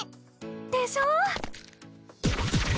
でしょ！